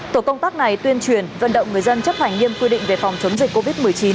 tổ công tác này tuyên truyền vận động người dân chấp hành nghiêm quy định về phòng chống dịch covid một mươi chín